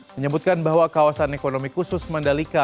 menyebutkan bahwa kawasan ekonomi khusus mandalika